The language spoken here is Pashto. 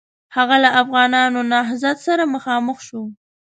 هغه له افغانانو نهضت سره مخامخ شو.